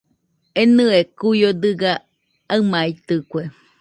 Enɨe kuio dɨga aɨmaitɨkue.